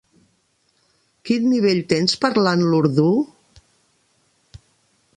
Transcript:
Quin nivell tens parlant l'urdú?